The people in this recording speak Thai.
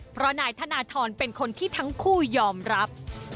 เพราะนายธนทรเป็นคนที่ทั้งคู่ยอมรับ